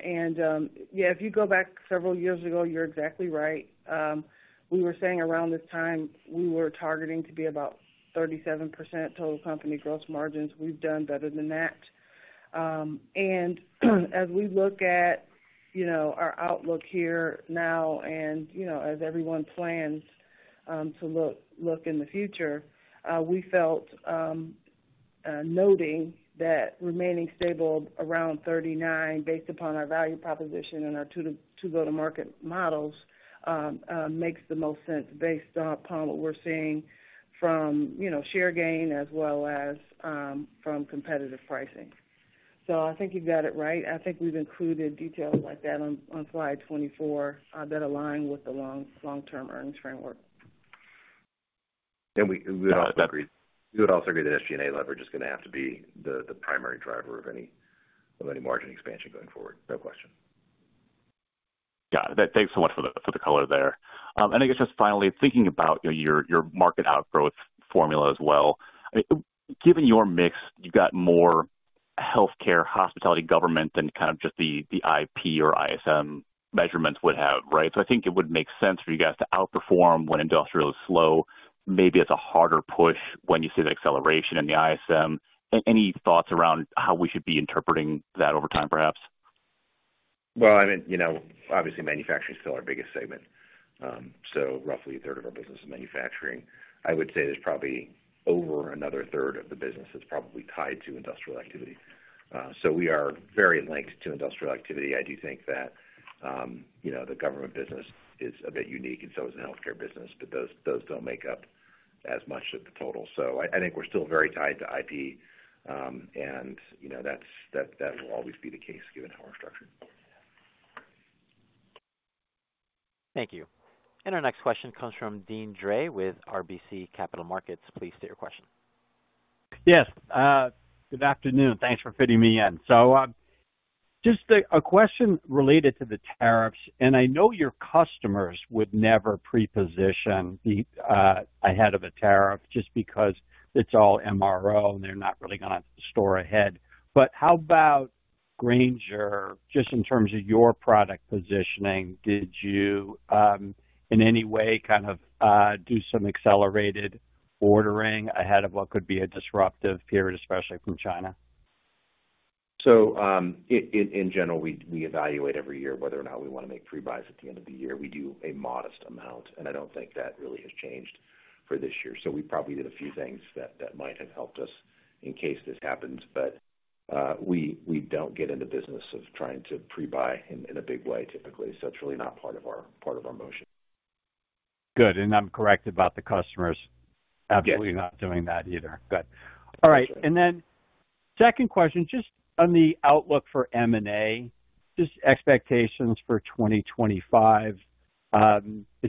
Yeah, if you go back several years ago, you're exactly right. We were saying around this time, we were targeting to be about 37% total company gross margins. We've done better than that. As we look at our outlook here now and as everyone plans to look in the future, we felt noting that remaining stable around 39% based upon our value proposition and our two go-to-market models makes the most sense based upon what we're seeing from share gain as well as from competitive pricing. So I think you've got it right. I think we've included details like that on slide 24 that align with the long-term earnings framework. We would also agree that SG&A leverage is going to have to be the primary driver of any margin expansion going forward. No question. Got it. Thanks so much for the color there. I guess just finally, thinking about your market outgrowth formula as well, given your mix, you've got more healthcare, hospitality, government than kind of just the IP or ISM measurements would have, right? So I think it would make sense for you guys to outperform when industrial is slow. Maybe it's a harder push when you see the acceleration in the ISM. Any thoughts around how we should be interpreting that over time, perhaps? I mean, obviously, manufacturing is still our biggest segment. So roughly a third of our business is manufacturing. I would say there's probably over another third of the business that's probably tied to industrial activity. So we are very linked to industrial activity. I do think that the government business is a bit unique, and so is the healthcare business, but those don't make up as much of the total. So I think we're still very tied to IP, and that will always be the case given how our structure. Thank you. And our next question comes from Deane Dray with RBC Capital Markets. Please state your question. Yes. Good afternoon. Thanks for fitting me in. So just a question related to the tariffs. And I know your customers would never pre-position ahead of a tariff just because it's all MRO, and they're not really going to store ahead. But how about Grainger, just in terms of your product positioning? Did you, in any way, kind of do some accelerated ordering ahead of what could be a disruptive period, especially from China? In general, we evaluate every year whether or not we want to make pre-buys at the end of the year. We do a modest amount, and I don't think that really has changed for this year. So we probably did a few things that might have helped us in case this happens. But we don't get into business of trying to pre-buy in a big way, typically. So it's really not part of our motion. Good. And I'm correct about the customers. Absolutely not doing that either. Good. All right. And then second question, just on the outlook for M&A, just expectations for 2025, is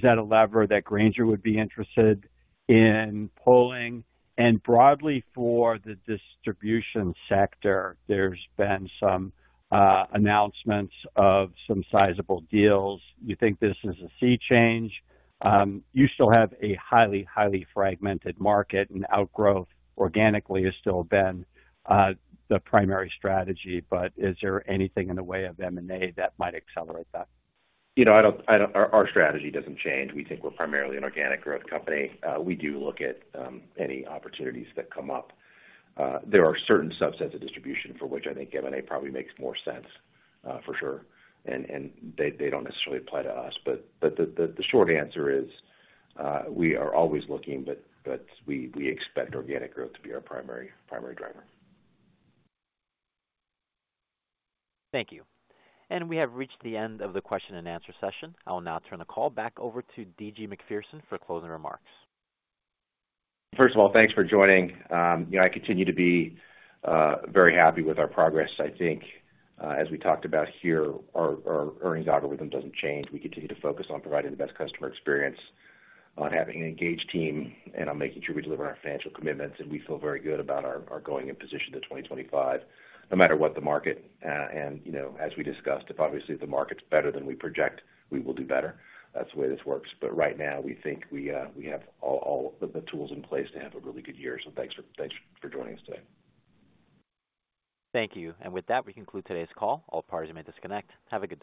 that a lever that Grainger would be interested in pulling? And broadly, for the distribution sector, there's been some announcements of some sizable deals. You think this is a sea change? You still have a highly, highly fragmented market, and organic growth has still been the primary strategy. But is there anything in the way of M&A that might accelerate that? Our strategy doesn't change. We think we're primarily an organic growth company. We do look at any opportunities that come up. There are certain subsets of distribution for which I think M&A probably makes more sense, for sure. And they don't necessarily apply to us. But the short answer is we are always looking, but we expect organic growth to be our primary driver. Thank you. And we have reached the end of the question-and-answer session. I will now turn the call back over to D. Merriwether for closing remarks. First of all, thanks for joining. I continue to be very happy with our progress. I think, as we talked about here, our earnings algorithm doesn't change. We continue to focus on providing the best customer experience, on having an engaged team, and on making sure we deliver our financial commitments. And we feel very good about our going in position to 2025, no matter what the market. And as we discussed, if obviously the market's better than we project, we will do better. That's the way this works. But right now, we think we have all the tools in place to have a really good year. So thanks for joining us today. Thank you. And with that, we conclude today's call. All parties may disconnect. Have a good day.